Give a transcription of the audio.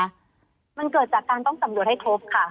มันเกิดจากการต้องสำรวจให้ครบค่ะ